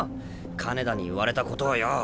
金田に言われたことをよぉ。